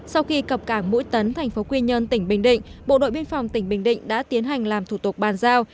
sau khi cập cảng mũi tấn thành phố quy nhơn tỉnh bình định bộ đội biên phòng tỉnh bình định đã tiến hành làm thủ tục bàn giao